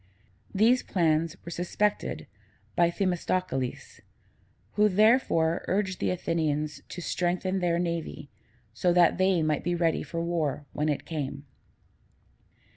These plans were suspected by Themistocles, who therefore urged the Athenians to strengthen their navy, so that they might be ready for war when it came.